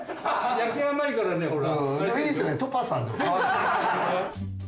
焼き甘いからねほら。